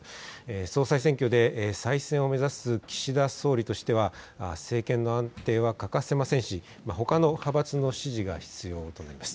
総裁選挙で再選を目指す岸田総理としては政権の安定は欠かせませんしほかの派閥の支持が必要となります。